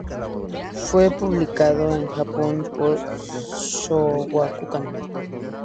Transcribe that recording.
Fue publicado en Japón por Shōgakukan.